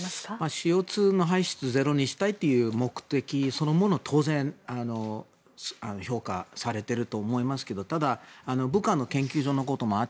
ＣＯ２の排出をゼロにしたいという目的そのもの当然、評価されていると思いますけども武漢の研究所のこともあり